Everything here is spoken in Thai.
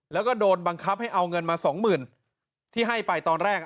แล้วก็โดนบังคับให้เอาเงินมาสองหมื่นที่ให้ไปตอนแรก